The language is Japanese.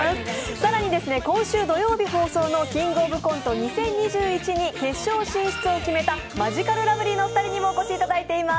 更に今週土曜日放送の「キングオブコント２０２１」の決勝進出を決めたマヂカルラブリーのお二人にもお越しいただいています。